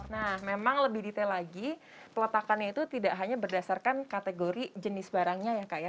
nah memang lebih detail lagi peletakannya itu tidak hanya berdasarkan kategori jenis barangnya ya kak ya